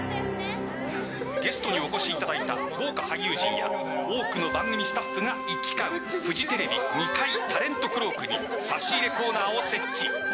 ゲストにお越しいただいた豪華俳優陣や多くの番組スタッフが行き交うフジテレビ２階タレントクロークに差し入れコーナーを設置。